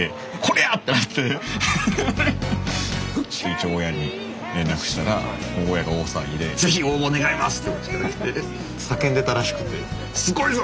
一応親に連絡したらもう親が大騒ぎで「是非、応募願います！」って叫んでたらしくてすごいぞ！